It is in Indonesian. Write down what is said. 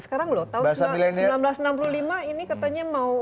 sekarang loh tahun seribu sembilan ratus enam puluh lima ini katanya mau